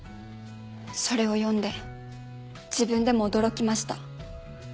それを読んで自分でも驚きました。